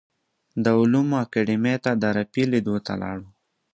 د علومو اکاډیمۍ ته د رفیع لیدو ته لاړو.